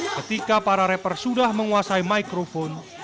ketika para rapper sudah menguasai microphone